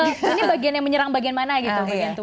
atau kalau tidak ini bagian yang menyerang bagian mana gitu